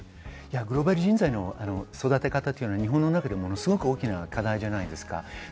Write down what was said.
グローバル人材の育て方は日本の中でものすごく大きな課題じゃないですか。